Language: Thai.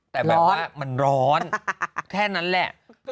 แต่แบบว่ามันร้อนแค่นั้นแหละ